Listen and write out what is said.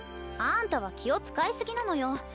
あんたは気を遣いすぎなのよ。